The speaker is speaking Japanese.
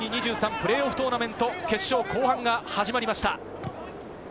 プレーオフトーナメント決勝、後半が始まりました。